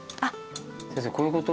先生こういうこと？